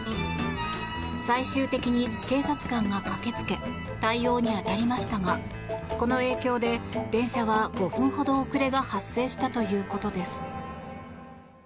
最終的に警察官が駆けつけ対応に当たりましたがこの影響で電車は５分ほど遅れが発生したということです。